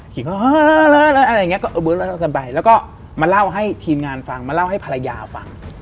อะไรอย่างนี้ก็กันไปแล้วก็มาเล่าให้ทีมงานฟังมาเล่าให้ภรรยาฟัง